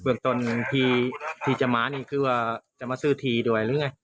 เมืองต้นที่จะมานี่คือว่าจะมาซื้อทีด้วยหรือไง